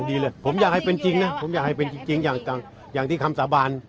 ดีเลยผมอยากให้เป็นจริงนะผมอยากให้เป็นจริงอย่างที่คำสาบาน